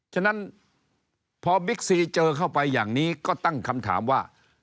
ฉะนั้นพอบิ๊กซีเจอเข้าไปอย่างนี้ก็ตั้งคำถามว่า